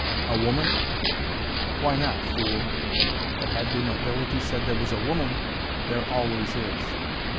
"A woman?" "Why not, fool?" "But had your nobility said there was a woman " "There always is."